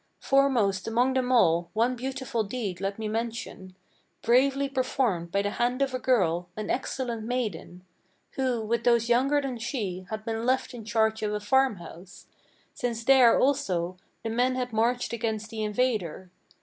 Foremost among them all, one beautiful deed let me mention, Bravely performed by the hand of a girl, an excellent maiden; Who, with those younger than she, had been left in charge of a farmhouse, Since there, also, the men had marched against the invader.